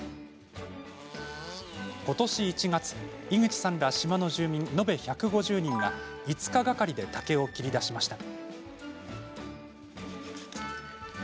今年１月、井口さんら島の住民延べ１５０人が５日がかりで竹を切り出しました。